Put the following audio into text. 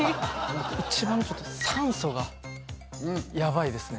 一番ちょっと酸素がヤバいですね